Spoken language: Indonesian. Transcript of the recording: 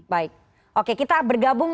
baik oke kita bergabung